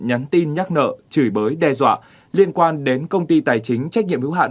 nhắn tin nhắc nợ chửi bới đe dọa liên quan đến công ty tài chính trách nhiệm hữu hạn